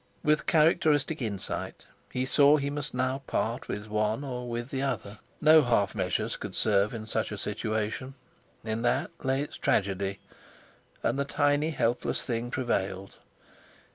With characteristic insight he saw he must part with one or with the other; no half measures could serve in such a situation. In that lay its tragedy. And the tiny, helpless thing prevailed.